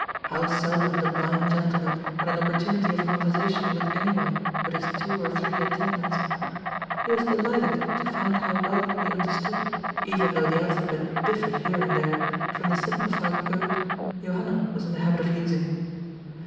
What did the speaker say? How seldom the blind gen tleman had an opportunity of conversation with any one but his two or three attendants. He was delighted to find how well he understood, even though the alphabet differed here and there from the simplified code Johanna was in the habit of using.